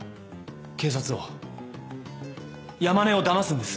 警察を山根をだますんです。